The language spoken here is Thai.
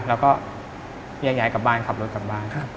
แล้วก็แยกย้ายกลับบ้านขับรถกลับบ้าน